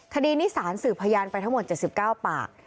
คดีนี้สารสืบพยานไปทั้งหมด๗๙ปาก